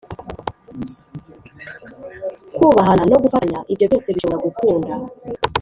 kubahana no gufatanya. Ibyo byose bishobora gukunda